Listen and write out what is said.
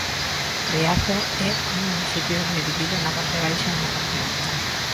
Riace é un municipio dividido na parte baixa e na parte alta.